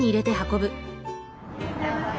いらっしゃいませ。